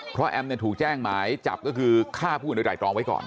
เพราะแอมถูกแจ้งหมายจับก็คือฆ่าผู้อื่นโดยไตรตรองไว้ก่อน